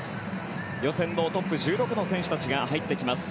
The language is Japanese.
予選のトップ１６の選手たちが入ってきます。